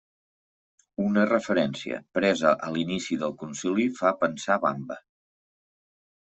Una referència presa a l'inici del Concili fa pensar Vamba.